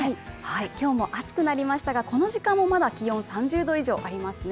今日も暑くなりましたが、この時間もまだ気温３０度以上ありますね。